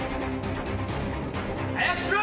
早くしろ！